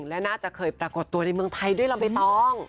และน่าจะเคยปรากฏตัวในเมืองไทยด้วยลำใบตอง